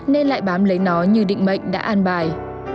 nên lại bám lấy nó như định mệnh đã an bài